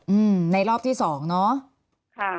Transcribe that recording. อืมในรอบที่สองเนาะ